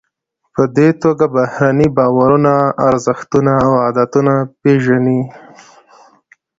په دې توګه بهرني باورونه، ارزښتونه او عادتونه پیژنئ.